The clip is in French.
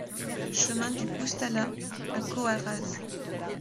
Chemin du Coustalat à Coarraze